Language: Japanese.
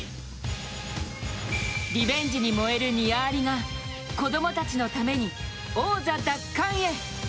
リベンジに燃えるニア・アリが、子供たちのために王座奪還へ。